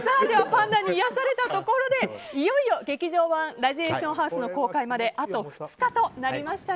パンダに癒やされたところでいよいよ「劇場版ラジエーションハウス」の公開まであと２日となりました。